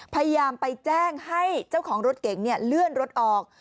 พยายามไปแจ้งให้เจ้าของรถเก๋งเลื่อนรถออก